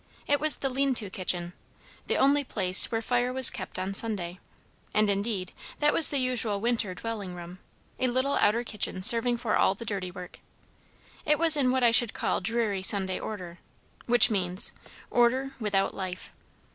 It was the lean to kitchen, the only place where fire was kept on Sunday: and indeed that was the usual winter dwelling room, a little outer kitchen serving for all the dirty work. It was in what I should call dreary Sunday order; which means, order without life.